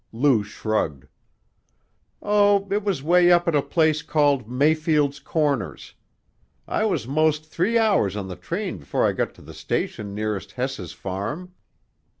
Lou shrugged. "Oh, it was 'way up at a place called Mayfield's Corners; I was most three hours on the train before I got to the station nearest Hess's farm."